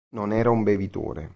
Non era un bevitore.